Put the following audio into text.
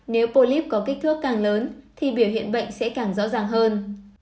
nếu polyp có kích thước càng lớn thì biểu hiện bệnh sẽ càng rõ ràng hơn